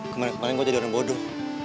kemarin kemarin gue jadi orang bodoh